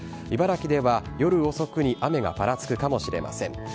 茨城では、夜遅くに雨がぱらつくかもしれません。